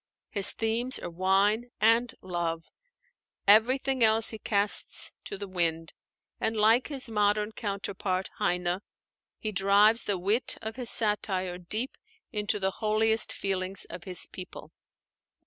His themes are wine and love. Everything else he casts to the wind; and like his modern counterpart, Heine, he drives the wit of his satire deep into the holiest feelings of his people.